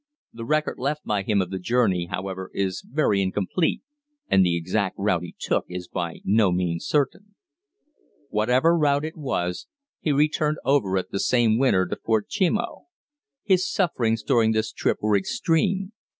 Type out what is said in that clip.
The record left by him of the journey, however, is very incomplete, and the exact route he took is by no means certain. Whatever route it was, he returned over it the same winter to Fort Chimo. His sufferings during this trip were extreme.